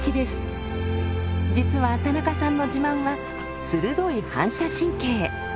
実は田中さんの自慢は鋭い反射神経。